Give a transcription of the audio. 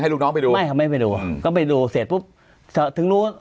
ให้ลูกน้องไปดูไม่ค่ะไม่ได้ไปดูอืมก็ไปดูเสร็จปุ๊บถึงรู้